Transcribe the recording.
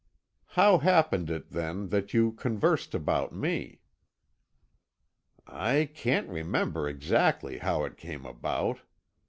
"How happened it, then, that you conversed about me?" "I can't remember exactly how it came about.